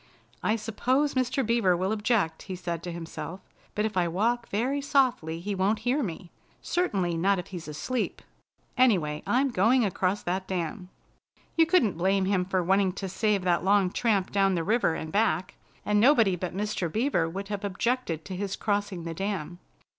"I suppose Mr. Beaver will object," he said to himself, "but if I walk very softly he won't hear me. Certainly not if he's asleep. Anyway, I'm going across that dam." You couldn't blame him for wanting to save that long tramp down the river and back, and nobody but Mr. Beaver would have objected to his crossing the dam.